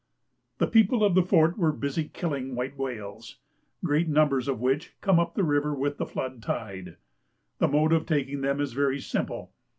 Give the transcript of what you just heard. The people of the fort were busy killing white whales, great numbers of which come up the river with the flood tide. The mode of taking them is very simple.